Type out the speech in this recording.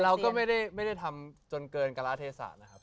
แต่เราก็ไม่ได้จนเกินกระละเทศานะครับ